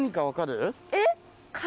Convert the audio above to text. えっ？